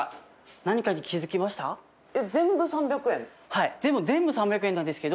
はい全部３００円なんですけど。